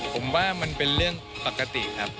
ผมว่ามันเป็นเรื่องปกติครับ